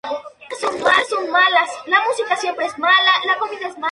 En este poema De Burgos se muestra decidida a ser quien maneja su vida.